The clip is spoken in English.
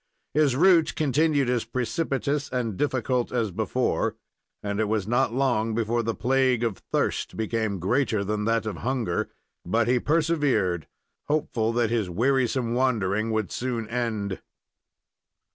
His route continued as precipitous and difficult as before, and it was not long before the plague of thirst became greater than that of hunger. But he persevered, hopeful that his wearisome wandering would soon end.